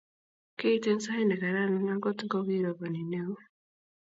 Kiit eng sait ne kararan angot ko kiroboni ne o